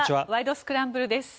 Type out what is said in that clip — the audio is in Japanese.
スクランブル」です。